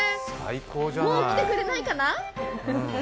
もう来てくれないかな？